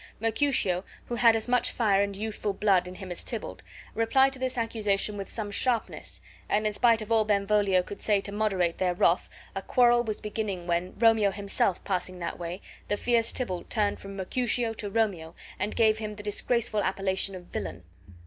Mercutio, who had as much fire and youthful blood in him as Tybalt, replied to this accusation with some sharpness; and in spite of all Benvolio could say to moderate their wrath a quarrel was beginning when, Romeo himself passing that way, the fierce Tybalt turned from Mercutio to Romeo, and gave him the disgraceful appellation of villain.